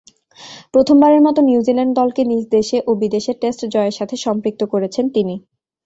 প্রথমবারের মতো নিউজিল্যান্ড দলকে নিজ দেশে ও বিদেশে টেস্ট জয়ের সাথে সম্পৃক্ত করেছেন তিনি।